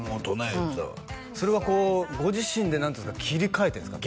言うてたわそれはこうご自身で何ていうんすか切り替えてるんですか？